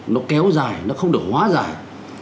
nó kéo dài nó không được hóa dài